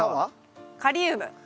カリウム！